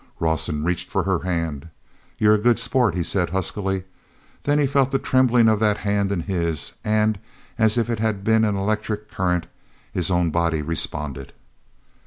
Rawson reached for her hand. "You're a good sport," he said huskily. Then he felt the trembling of that hand in his; and, as if it had been an electric current, his own body responded.